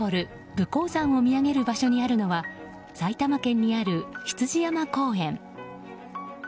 武甲山を見上げる場所にあるのは埼玉県にある羊山公園。